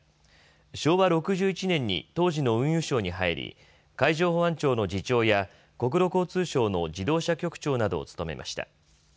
昭和６１年に当時の運輸省に入り海上保安庁の次長や国土交通省の自動車局長などを務めました。